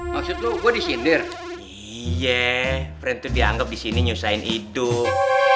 maksud lu gua disindir iya itu dianggap disini nyusahin hidup